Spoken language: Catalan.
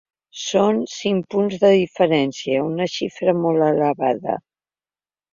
Són cinc punts de diferència, una xifra molt elevada.